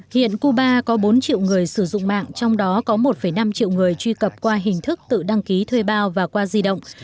hiện cuba có bốn triệu người sử dụng mạng trong đó có một năm triệu người truy cập qua hình thức tự đăng ký thuê bao và qua di động